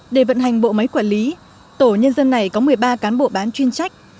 để vận hành bộ máy quản lý tổ nhân dân này có một mươi ba cán bộ bán chuyên trách